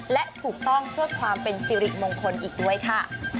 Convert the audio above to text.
และถูกต้องเพื่อความเป็นสิริมงคลอีกด้วยค่ะ